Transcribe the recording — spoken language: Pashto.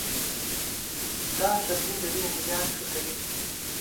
دا سبزی د وینې جریان ښه کوي.